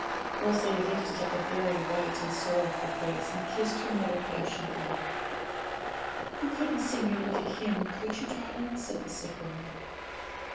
Rosalie lifted up a very white and sorrowful face, and kissed her mother passionately. 'You couldn't sing your little hymn, could you, darling?' said the sick woman.